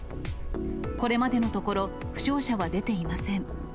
これまでのところ、負傷者は出ていません。